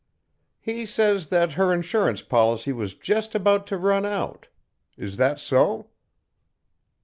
"He says that her insurance policy was just about to run out. Is that so?"